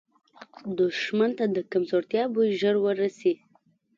دښمن ته د کمزورتیا بوی ژر وررسي